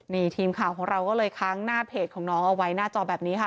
นี่ทีมข่าวของเราก็เลยค้างหน้าเพจของน้องเอาไว้หน้าจอแบบนี้ค่ะ